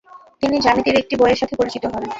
তিনি জ্যামিতির একটি বইয়ের সাথে পরিচিত হন।